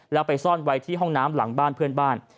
แล้วไปซ่อนไว้ที่ห้องน้ำหลังบ้านเพื่อนบ้าน